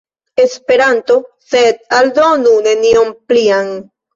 Esperanto, sed aldonu nenion plian.